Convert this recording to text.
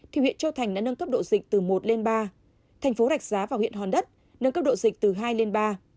thì huyện châu thành đã nâng cấp độ dịch từ một lên ba thành phố rạch giá và huyện hòn đất nâng cấp độ dịch từ hai lên ba